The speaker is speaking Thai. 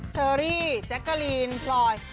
เจอรี่แจกเกอรีนกลอย